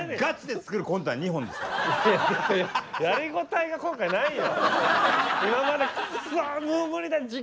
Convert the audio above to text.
やり応えが今回ないよ！